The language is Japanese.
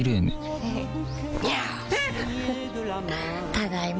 ただいま。